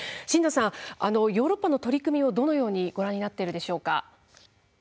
進藤さん、ヨーロッパの取り組みをどのようにご覧になっているでしょうか？